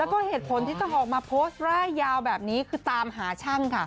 แล้วก็เหตุผลที่ต้องออกมาโพสต์ร่ายยาวแบบนี้คือตามหาช่างค่ะ